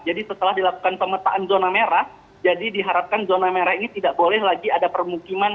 jadi setelah dilakukan pemetaan zona merah jadi diharapkan zona merah ini tidak boleh lagi ada permukiman